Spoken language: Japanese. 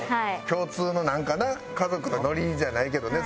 共通のなんかな家族のノリじゃないけどね